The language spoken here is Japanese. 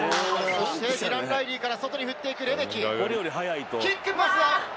そして、ディラン・ライリーから外に振っていく。